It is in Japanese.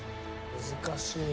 難しいね。